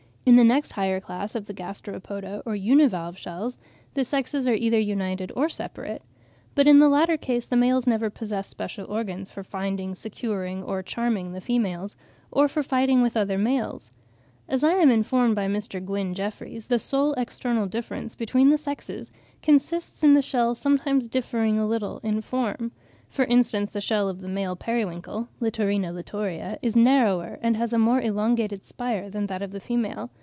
In the next higher class of the Gasteropoda, or univalve shells, the sexes are either united or separate. But in the latter case the males never possess special organs for finding, securing, or charming the females, or for fighting with other males. As I am informed by Mr. Gwyn Jeffreys, the sole external difference between the sexes consists in the shell sometimes differing a little in form; for instance, the shell of the male periwinkle (Littorina littorea) is narrower and has a more elongated spire than that of the female.